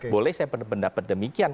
boleh saya pendapat demikian